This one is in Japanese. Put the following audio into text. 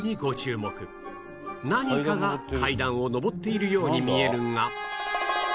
何かが階段を上っているように見えるが